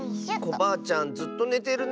コバアちゃんずっとねてるね。